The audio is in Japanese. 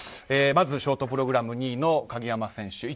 まず、ショートプログラム２位の鍵山選手。